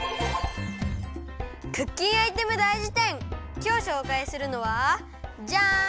きょうしょうかいするのはジャン！